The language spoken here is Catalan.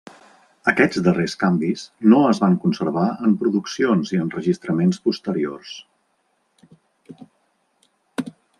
Aquests darrers canvis no es van conservar en produccions i enregistraments posteriors.